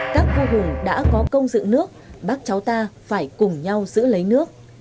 các vua hùng đã có công dựng nước bác cháu ta phải cùng nhau giữ lấy nước